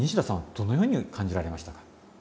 どのように感じられましたか？